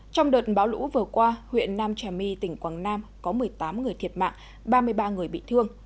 trong đợt bão lũ vừa qua huyện nam trà my tỉnh quảng nam có một mươi tám người thiệt mạng ba mươi ba người bị thương